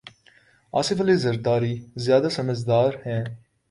آصف علی زرداری زیادہ سمجھدار ہیں۔